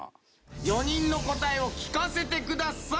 ４人の答えを聞かせてください。